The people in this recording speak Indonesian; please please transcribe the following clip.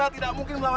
saat yang akan diminta